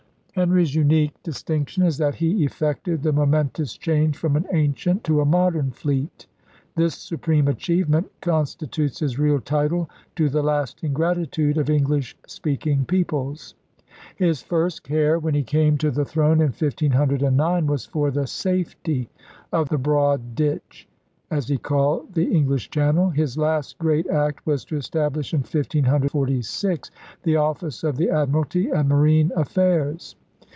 Henry's unique distinction is that he effected the momentous change from an ancient to a modern fleet. This supreme achievement con stitutes his real title to the lasting gratitude of English speaking peoples. His first care when he came to the throne in 1509 was for the safety of the 'Broade Ditch,' as he called the English Channel. His last great act was to establish in 1546 *The OflSce of the Admiralty and Marine Affairs.'